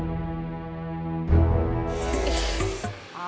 abang seuzon aja